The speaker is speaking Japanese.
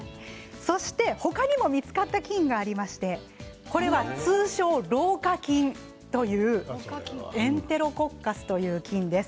他にも見つかった菌がありまして、これは通称、老化菌エンテロコッカスという菌です。